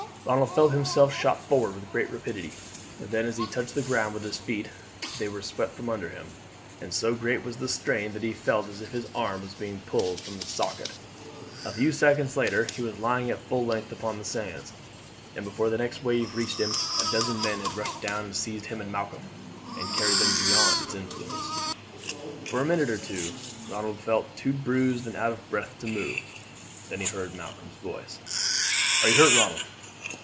Ronald felt himself shot forward with great rapidity, then as he touched the ground with his feet they were swept from under him, and so great was the strain that he felt as if his arm was being pulled from the socket. A few seconds later he was lying at full length upon the sands, and before the next wave reached him a dozen men had rushed down and seized him and Malcolm, and carried them beyond its influence. For a minute or two Ronald felt too bruised and out of breath to move. Then he heard Malcolm's voice: "Are you hurt, Ronald?"